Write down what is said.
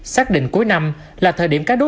xác định cuối năm là thời điểm các đối